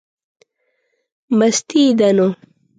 مستي یې ده نو.